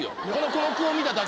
この句を見ただけで。